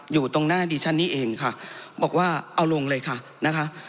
อยู่ตรงหน้าดิฉันนี่เองค่ะบอกว่าเอาลงเลยค่ะนะคะ